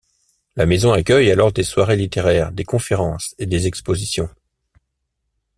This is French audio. La maison accueille alors des soirées littéraires, des conférences et des expositions.